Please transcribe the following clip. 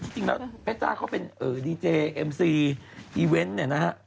จริงแล้วแฟซซ่าเขาเป็นดีเจย์เอ็มซีอีเวนต์